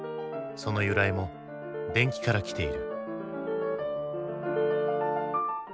その由来も伝記から来ている。